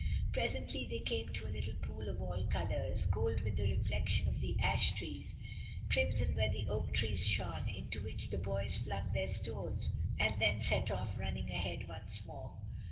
Pre sently they came to a little pojj of all colours — gold with the reflection of the ash trees, crimson where the oak trees shone — into which the boys flung their stones and then set ofi* running ahead once more.